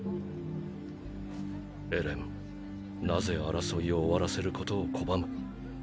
エレンなぜ争いを終わらせることを拒む？